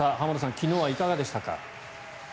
昨日はいかがでしたか？